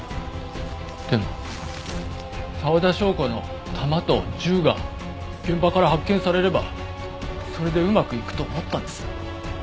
でも沢田紹子の弾と銃が現場から発見されればそれでうまくいくと思ったんです。